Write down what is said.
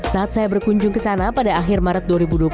saat saya berkunjung ke sana pada akhir maret dua ribu dua puluh satu